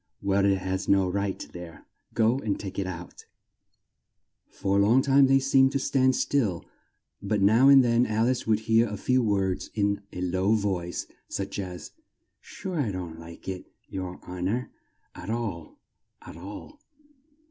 "Well, it has no right there; go and take it out!" For a long time they seemed to stand still, but now and then Al ice could hear a few words in a low voice, such as, "Sure I don't like it, yer hon or, at all, at all!"